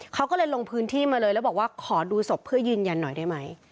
เขาก็เลยลงพื้นที่มาเลยแล้วบอกว่าขอดูศพเพื่อยืนยันหน่อยได้ไหม